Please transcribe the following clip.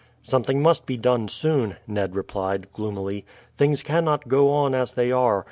"Something must be done soon," Ned replied gloomily. "Things cannot go on as they are.